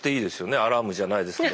アラームじゃないですけど。